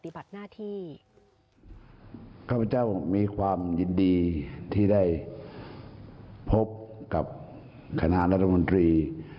ข้าพเจ้ามีความยินดีที่ได้พบกับคณะรัฐมนตรี